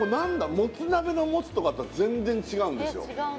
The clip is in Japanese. もつ鍋のモツとかと全然違うんですよ